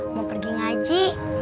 mau pergi ngaji